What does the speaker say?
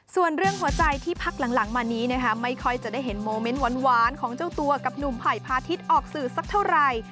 ส่วนเรื่องหัวใจที่พักหลังมานี้นะคะไม่ค่อยจะได้เห็นโมเมนต์หวานของเจ้าตัวกับหนุ่มไผ่พาทิศออกสื่อสักเท่าไหร่